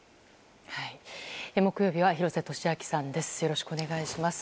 木曜日は廣瀬俊朗さんです。